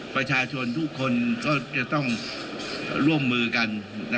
ประชาชนทุกคนก็จะต้องร่วมมือกัน